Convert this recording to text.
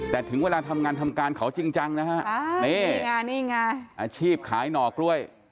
แต่ถึงเวลาทำงานทำการเขาจริงจังนะฮะนี่ไงนี่ไงอาชีพขายหน่อกล้วย